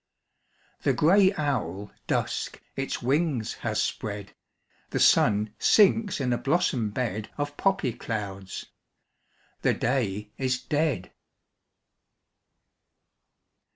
The gray owl Dusk its wings has spread ; The sun sinks in a blossom bed Of poppy clouds ; the day is dead.